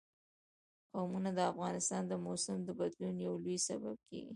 قومونه د افغانستان د موسم د بدلون یو لوی سبب کېږي.